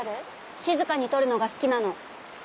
静かにとるのが好きなの。